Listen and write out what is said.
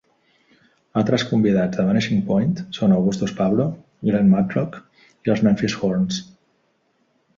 Altres convidats de "Vanishing Point" són Augustus Pablo, Glen Matlock i els Memphis Horns.